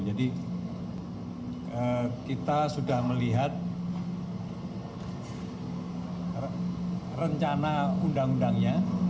jadi kita sudah melihat rencana undang undangnya